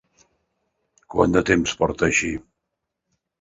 Quant de temps porta així?